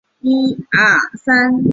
皮尼扬是巴西巴拉那州的一个市镇。